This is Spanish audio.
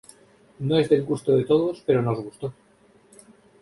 No es del gusto de todos, pero nos gustó.